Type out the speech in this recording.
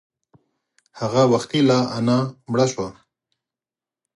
هغه وختي لا انا مړه شوه.